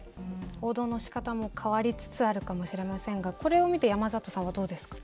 報道のしかたも変わりつつあるかもしれませんがこれを見て山里さんはどうですか？